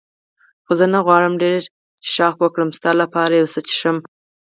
خو زه نه غواړم ډېر څښاک وکړم، ستا لپاره یو څه څښم.